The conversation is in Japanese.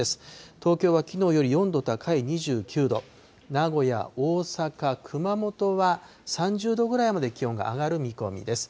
東京はきのうより４度高い２９度、名古屋、大阪、熊本は３０度ぐらいまで気温が上がる見込みです。